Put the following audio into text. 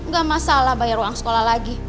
gak masalah bayar uang sekolah lagi